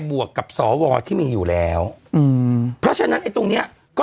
บวกกับสวที่มีอยู่แล้วอืมเพราะฉะนั้นไอ้ตรงเนี้ยก็